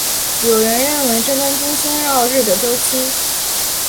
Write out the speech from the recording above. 有人认为这跟金星绕日的周期。